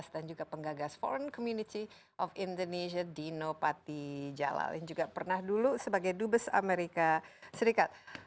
dan juga penggagas foreign community of indonesia dino patijalal yang juga pernah dulu sebagai dubes amerika serikat